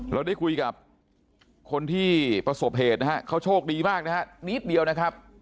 เราได้คุยกับคนที่ประสบเหตุนะฮะเขาโชคดีมากนะฮะนิดเดียวนะครับ